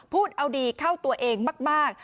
พูดเอาดีเข้าตัวเองมาก